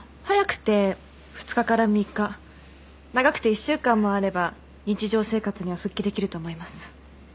早くて２日から３日長くて１週間もあれば日常生活には復帰できると思います。